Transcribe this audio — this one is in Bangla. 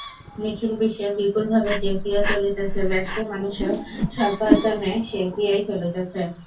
নিখিল বিশ্বে বিপুলভাবে যে ক্রিয়া চলিতেছে, ব্যষ্টি-মানুষেও স্বল্পায়তনে সেই ক্রিয়াই চলিতেছে।